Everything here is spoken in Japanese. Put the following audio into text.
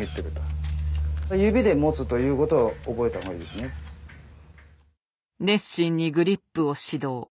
要するに熱心にグリップを指導。